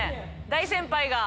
大先輩が。